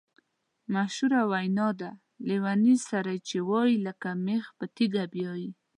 مشهوره وینا ده: لېوني سره یې چې وایې لکه مېخ په تیګه بیایې.